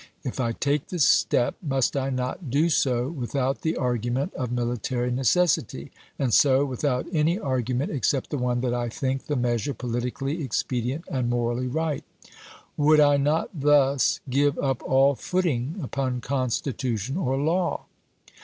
11 1 take the step must I not do so without the argument of military necessity, and so without any argument except the one that I think the measure politically expedient and morally right ? Would I not thus give up all footing upon Constitution or law